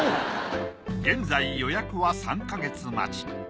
現在予約は３か月待ち。